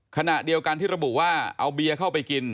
ขณะเดียวกันที่ระบุว่าเอาเบียร์เข้าไปกิน